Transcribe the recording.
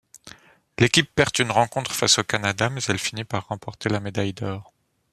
L'équipe perd une rencontre face au Canada, mais finit par remporter la médaille d'or.